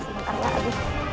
bentar ya aduh